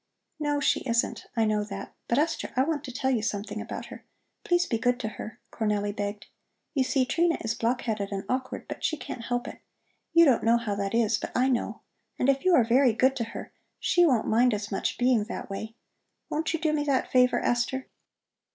"No, she isn't; I know that. But Esther, I want to tell you something about her. Please be good to her!" Cornelli begged. "You see, Trina is block headed and awkward, but she can't help it. You don't know how that is, but I know. And if you are very good to her, she won't mind as much being that way. Won't you do me that favor, Esther?"